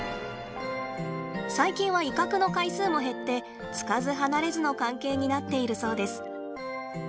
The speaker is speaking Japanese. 最近は威嚇の回数も減ってつかず離れずの関係になっているそうです。